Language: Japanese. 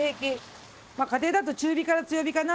まあ家庭だと中火から強火かな？